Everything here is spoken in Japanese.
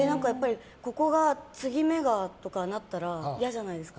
継ぎ目がとかってなったら嫌じゃないですか。